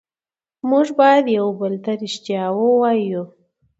موږ باید یو بل ته ریښتیا ووایو